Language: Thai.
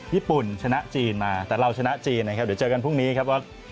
ญี่ปุ่นชนะจีนมาแต่เราชนะจีนนะครับเดี๋ยวเจอกันพรุ่งนี้ครับว่า